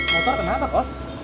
motor kenapa bos